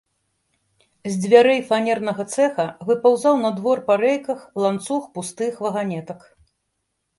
З дзвярэй фанернага цэха выпаўзаў на двор па рэйках ланцуг пустых ваганетак.